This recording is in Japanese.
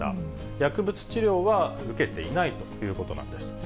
薬物治療は受けていないということなんです。